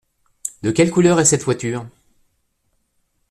De quelle couleur est cette voiture ?